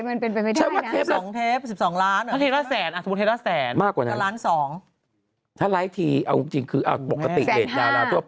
มันเป็นไปไม่ได้นะถ้าเทปละแสนสมมุติเทปละแสนล้านสองถ้าไลก์ทีเอาจริงคือปกติ๑ดาลาทั่วไป